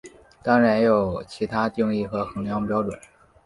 当然也有其它定义和衡量标准。